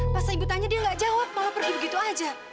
pas ibu tanya dia nggak jawab malah pergi begitu aja